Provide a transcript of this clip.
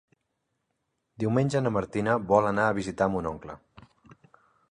Diumenge na Martina vol anar a visitar mon oncle.